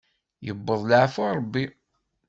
Iwweḍ laɛfu n Ṛebbi.